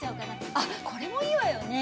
あっこれもいいわよね。